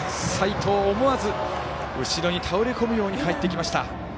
齋藤、思わず後ろに倒れこむように帰っていきました。